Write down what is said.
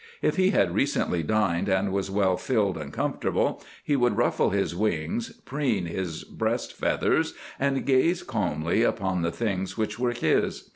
If he had recently dined and was well filled and comfortable, he would ruffle his wings, preen his breast feathers, and gaze calmly upon the things which were his.